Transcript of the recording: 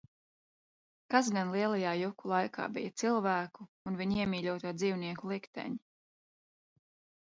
Kas gan lielajā juku laikā bija cilvēku un viņu iemīļoto dzīvnieku likteņi?